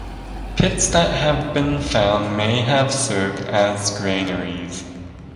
Pits that have been found may have served as granaries.